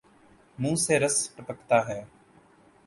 منہ سے رس ٹپکتا ہے